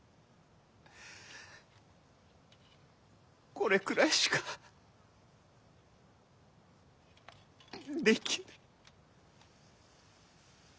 これくらいしかできぬ。